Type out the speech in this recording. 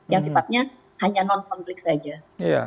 yang sifatnya hanya non konflik saja